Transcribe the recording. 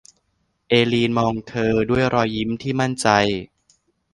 เอลีนมองเธอด้วยรอยยิ้มที่มั่นใจ